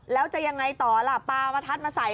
แล้วจะยังไงต่อล่ะปลาประทัดมาใส่